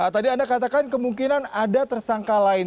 tadi anda katakan kemungkinan ada tersangka lain